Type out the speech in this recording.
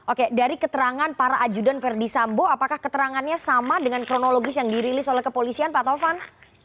oke dari keterangan para ajudan verdi sambo apakah keterangannya sama dengan kronologis yang dirilis oleh kepolisian pak tovan